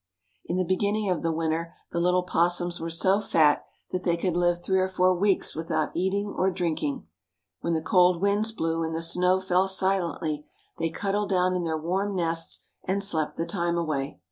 In the beginning of the winter the little opossums were so fat that they could live three or four weeks without eating or drinking. When the cold winds blew, and the snow fell silently, they cuddled down in their warm nests and slept the time away.